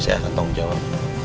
saya akan tanggung jawab